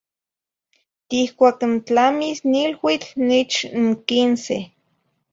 tihcuac n tlamis niluitl nich n quince.